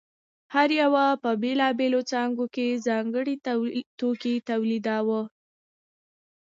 هر یوه په بېلابېلو څانګو کې ځانګړی توکی تولیداوه